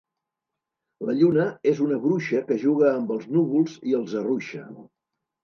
La lluna és una bruixa que juga amb els núvols i els arruixa.